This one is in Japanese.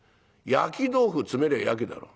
焼き豆腐詰めりゃあ焼きだろ」。